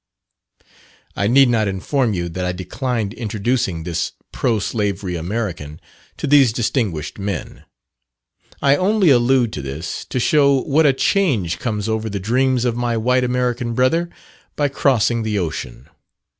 I need not inform you that I declined introducing this pro slavery American to these distinguished men. I only allude to this, to show what a change comes over the dreams of my white American brother, by crossing the ocean.